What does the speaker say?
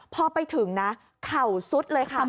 พอไปถึงนะเข่าซุดเลยค่ะ